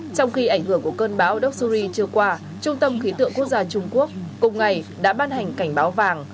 trong khi ảnh hưởng của cơn bão doxury chưa qua trung tâm khí tượng quốc gia trung quốc cùng ngày đã ban hành cảnh báo vàng